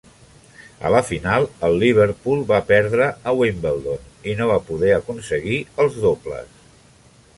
A la final, el Liverpool va perdre a Wimbledon i no va poder aconseguir els "dobles".